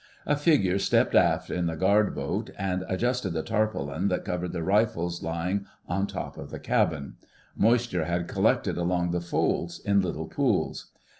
A figure stepped aft in the Guard Boat and adjusted the tarpaulin that covered the rifles lying on top of the cabin: moisture had collected among the folds in little pools.